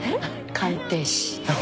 鑑定士。